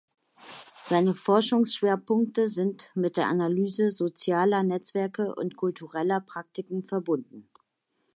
Seine Forschungsschwerpunkte sind mit der Analyse sozialer Netzwerke und kultureller Praktiken verbunden.